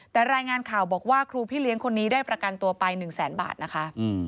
แต่รายงานข่าวบอกว่าครูพี่เลี้ยงคนนี้ได้ประกันตัวไป๑แสนบาทนะคะ